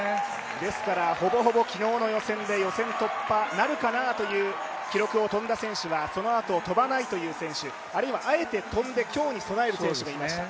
ですからほぼほぼ昨日の予選で予選突破なるかなという記録を跳んだ選手はそのあと跳ばないという選手、あえて跳んで今日に備える選手もいました。